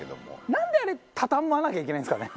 なんであれ畳まなきゃいけないんですかね。